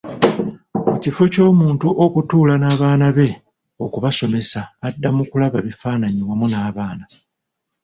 Mu kifo ky'omuntu okutuula n'abaana be okubasomesa adda mu kulaba bifaanayi wamu n'abaana.